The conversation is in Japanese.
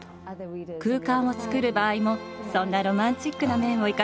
空間をつくる場合もそんなロマンチックな面を生かしました。